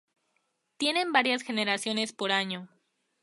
Tienen varias generaciones por año.